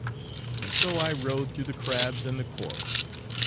And so I rode through the crabs and the coral.